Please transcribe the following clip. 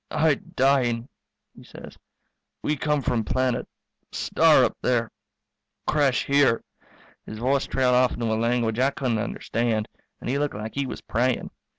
"I dying," he says. "We come from planet star up there crash here " His voice trailed off into a language I couldn't understand, and he looked like he was praying.